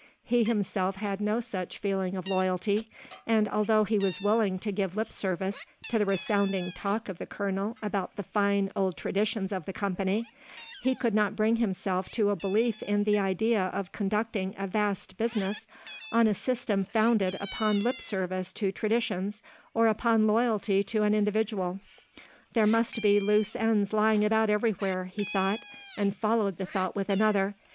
He himself had no such feeling of loyalty and although he was willing to give lip service to the resounding talk of the colonel about the fine old traditions of the company, he could not bring himself to a belief in the idea of conducting a vast business on a system founded upon lip service to traditions, or upon loyalty to an individual. "There must be loose ends lying about everywhere," he thought and followed the thought with another.